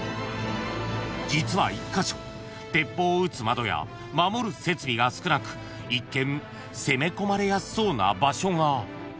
［実は１カ所鉄砲を撃つ窓や守る設備が少なく一見攻め込まれやすそうな場所が］